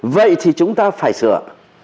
vậy thì chúng ta phải sửa